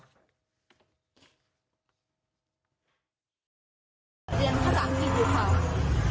เรียนขนาดนี้อยู่ครับ